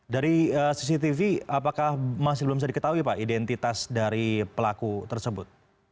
dari cctv apakah masih belum sedikit tahu ya pak identitas dari pelaku tersebut